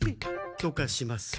許可します。